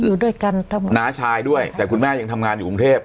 อยู่ด้วยกันทั้งหมดน้าชายด้วยแต่คุณแม่ยังทำงานอยู่กรุงเทพ